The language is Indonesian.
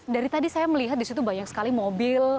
dari tadi saya melihat disitu banyak sekali mobil